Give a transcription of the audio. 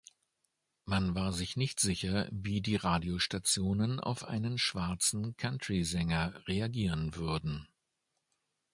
Man war sich nicht sicher, wie die Radiostationen auf einen schwarzen Country-Sänger reagieren würden.